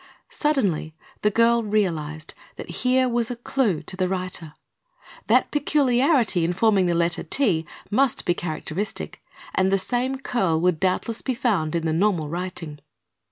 Suddenly the girl realized that here was a clew to the writer. That peculiarity in forming the letter "T" must be characteristic and the same curl would doubtless be found in the normal writing.